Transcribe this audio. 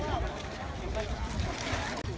สวัสดีครับคุณผู้ชาย